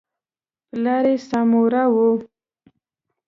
پلار یې سامورايي و.